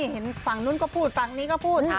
เห็นฝั่งนู้นก็พูดฝั่งนี้ก็พูด